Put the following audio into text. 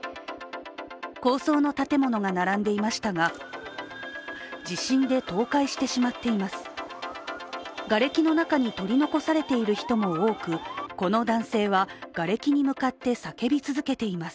高僧の建物が並んでいましたが地震で倒壊してしまっています。